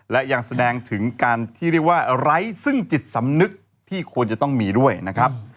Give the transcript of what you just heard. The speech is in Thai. และยังแสดงถึงการที่เรียกว่าไร้ซึ่งจิตสำนึกที่ควรจะต้องมีด้วยนะครับ